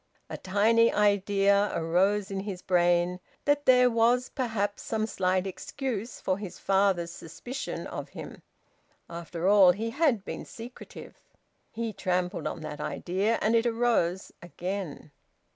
A tiny idea arose in his brain that there was perhaps some slight excuse for his father's suspicion of him. After all, he had been secretive. He trampled on that idea, and it arose again.